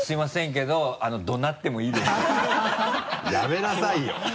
やめなさいよ。